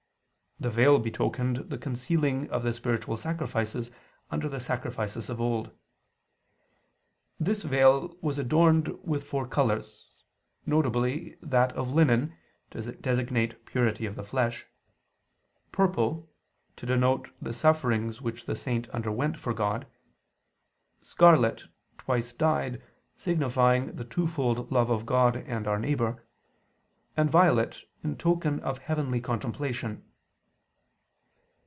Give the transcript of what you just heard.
The veil betokened the concealing of the spiritual sacrifices under the sacrifices of old. This veil was adorned with four colors: viz. that of linen, to designate purity of the flesh; purple, to denote the sufferings which the saints underwent for God; scarlet twice dyed, signifying the twofold love of God and our neighbor; and violet, in token of heavenly contemplation.